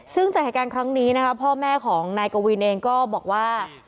ซึ่งจัดการครั้งนี้นะครับพ่อแม่ของนายกวีนเองก็บอกว่า